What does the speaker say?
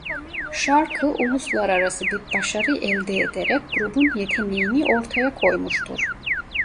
Şarkı uluslararası bir başarı elde ederek grubun yeteneğini ortaya koymuştur.